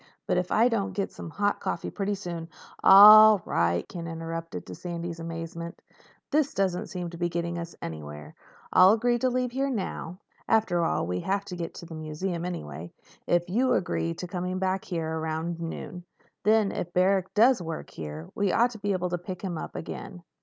But if I don't get some hot coffee pretty soon—" "All right," Ken interrupted, to Sandy's amazement. "This doesn't seem to be getting us anywhere. I'll agree to leaving here now—after all, we have to get up to the museum, anyway—if you'll agree to coming back here about noon. Then, if Barrack does work here, we ought to be able to pick him up again.